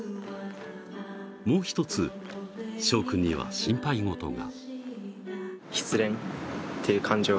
もう１つ、しょう君には心配事が。